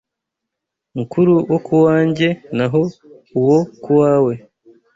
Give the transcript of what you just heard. Mukuru wo ku wanjye, Naho uwo ku wawe